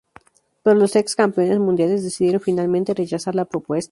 Pero los ex Campeones Mundiales decidieron, finalmente, rechazar la propuesta.